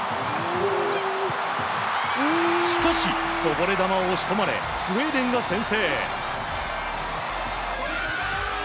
しかし、こぼれ球を押し込まれスウェーデンが先制。